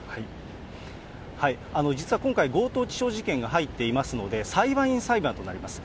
実は今回、強盗致傷事件が入っていますので、裁判員裁判となります。